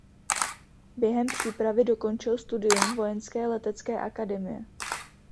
Během přípravy dokončil studium vojenské letecké akademie.